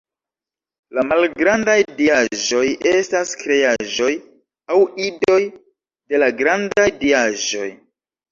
La malgrandaj diaĵoj estas kreaĵoj aŭ idoj de la grandaj diaĵoj.